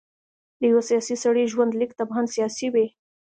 د یوه سیاسي سړي ژوندلیک طبعاً سیاسي وي.